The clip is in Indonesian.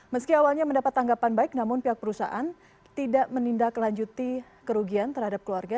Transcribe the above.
meski awalnya mendapat tanggapan baik namun pihak perusahaan tidak menindaklanjuti kerugian terhadap keluarga